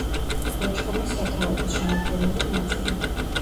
ლეჩხუმის სათავადოს შემადგენელი ნაწილი.